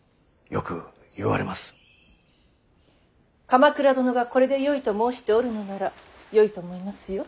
鎌倉殿がこれでよいと申しておるのならよいと思いますよ。